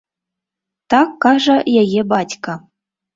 Так кажа яе бацька.